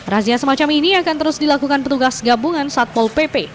razia semacam ini akan terus dilakukan petugas gabungan satpol pp